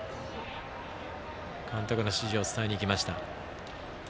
監督の指示を伝えにいきました。